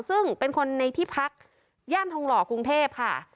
ซึ่งเป็นคนในที่พักย่านทองหล่อกรุงเทพค่ะ